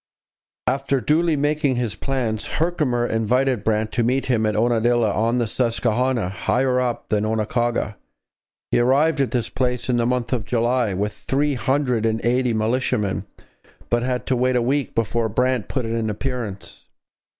After duly making his plans, Herkimer invited Brant to meet him at Unadilla, on the Susquehanna, higher up than Oquaga. He arrived at this place in the month of July with three hundred and eighty militiamen, but had to wait a week before Brant put in an appearance.